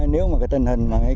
nếu mà cái tân hình này